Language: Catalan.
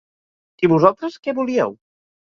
I vosaltres, què volíeu?